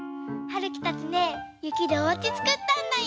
るきたちねゆきでおうちつくったんだよ！